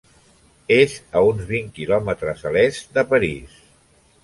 És a uns vint quilòmetres a l'est de París.